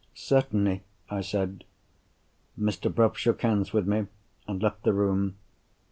"Certainly!" I said. Mr. Bruff shook hands with me, and left the room.